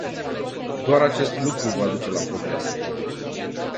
Doar acest lucru va duce la progrese!